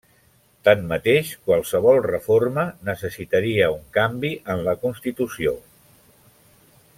Tanmateix qualsevol reforma necessitaria un canvi en la Constitució.